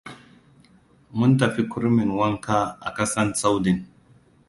Mun tafi kurmin wanka a ƙasan tsaunin.